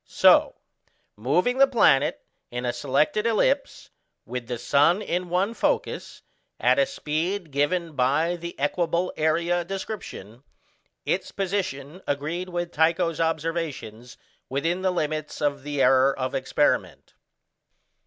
So, moving the planet in a selected ellipse, with the sun in one focus, at a speed given by the equable area description, its position agreed with Tycho's observations within the limits of the error of experiment.